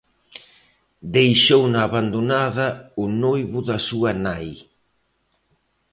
Deixouna abandonada o noivo da súa nai.